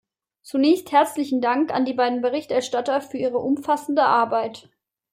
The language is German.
Zunächst herzlichen Dank an die beiden Berichterstatter für ihre umfassende Arbeit.